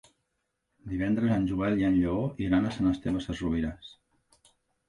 Divendres en Joel i en Lleó iran a Sant Esteve Sesrovires.